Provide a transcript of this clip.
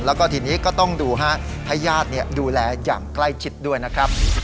แล้วก็ทีนี้ก็ต้องดูให้ญาติดูแลอย่างใกล้ชิดด้วยนะครับ